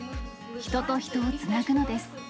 人と人をつなぐのです。